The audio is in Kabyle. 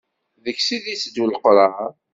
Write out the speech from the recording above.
Deg-s i d-iteddu leqrar.